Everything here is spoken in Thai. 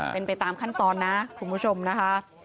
เป็นไปตามขั้นตอนนะคุณผู้ชมนะคะ